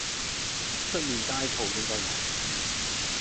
出面街舖應該有